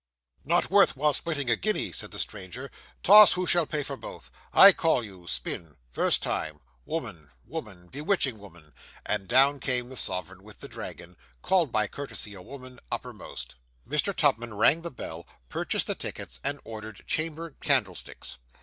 'Not worth while splitting a guinea,' said the stranger, 'toss who shall pay for both I call; you spin first time woman woman bewitching woman,' and down came the sovereign with the dragon (called by courtesy a woman) uppermost. Mr. Tupman rang the bell, purchased the tickets, and ordered chamber candlesticks.